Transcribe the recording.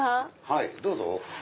はいどうぞ。